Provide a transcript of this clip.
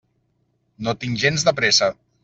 No tinc gens de pressa.